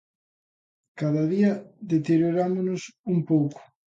Cada día deteriorámonos un pouco.